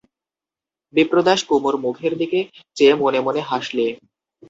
বিপ্রদাস কুমুর মুখের দিকে চেয়ে মনে মনে হাসলে।